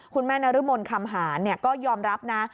คุณแม่นรมนคำหารก็ยอมรับนะ